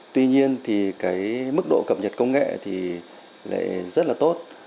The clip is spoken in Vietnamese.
tuy nhiên mức độ cập nhật công nghệ rất tốt